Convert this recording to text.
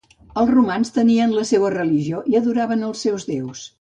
Els romans tenien la seua religió i adoraven els seus déus.